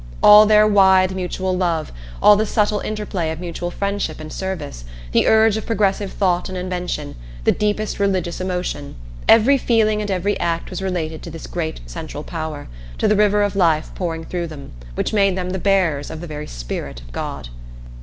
All their wide mutual love, all the subtle interplay of mutual friendship and service, the urge of progressive thought and invention, the deepest religious emotion, every feeling and every act was related to this great central Power, to the River of Life pouring through them, which made them the bearers of the very Spirit of God.